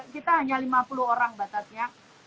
kita hanya lima puluh orang batatnya